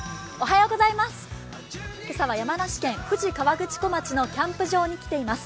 今朝は山梨県富士河口湖町のキャンプ場に来ています。